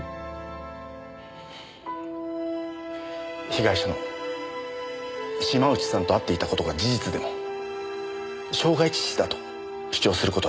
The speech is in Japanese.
被害者の島内さんと会っていた事が事実でも傷害致死だと主張する事は出来るはずです。